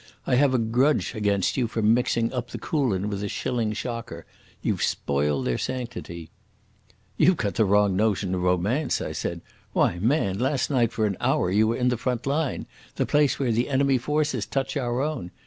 I have a grudge against you for mixing up the Coolin with a shilling shocker. You've spoiled their sanctity." "You've the wrong notion of romance," I said. "Why, man, last night for an hour you were in the front line—the place where the enemy forces touch our own.